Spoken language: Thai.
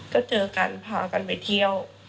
ก็เจอกันพากันไปเที่ยว